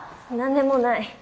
何でもない。